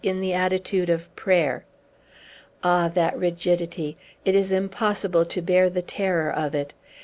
in the attitude of prayer. Ah, that rigidity! It is impossible to bear the terror of it.